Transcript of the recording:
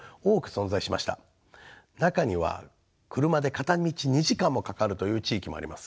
中には車で片道２時間もかかるという地域もあります。